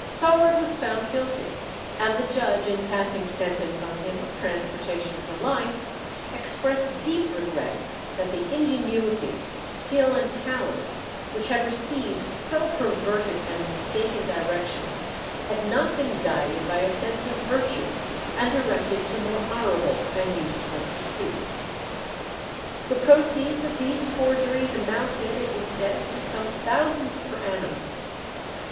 Saward was found guilty, and the judge, in passing sentence on him of transportation for life, expressed deep regret that "the ingenuity, skill, and talent, which had received so perverted and mistaken direction, had not been guided by a sense of virtue, and directed to more honourable and useful pursuits." The proceeds of these forgeries amounted, it was said, to some thousands per annum.